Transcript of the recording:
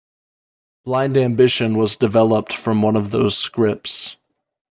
"Blind Ambition" was developed from one of those scripts.